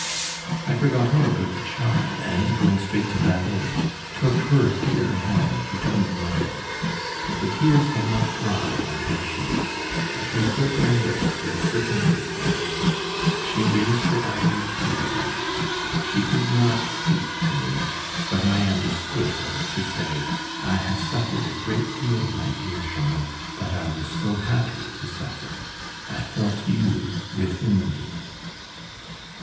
I forgot all about the child, and going straight to Babet, took her dear hand between mine. The tears had not dried on her checks, and her quivering lips were dripping with them. She raised her eyelids wearily. She did not speak to me, but I understood her to say: "I have suffered a great deal, my dear Jean, but I was so happy to suffer! I felt you within me."